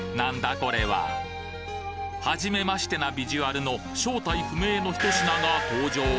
これははじめましてなビジュアルの正体不明のひと品が登場